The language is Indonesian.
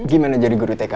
gimana jadi guru tk